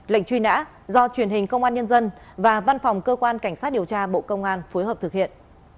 lệnh truy nã do truyền hình công an nhân dân và văn phòng cơ quan cảnh sát điều tra bộ công an phối hợp thực hiện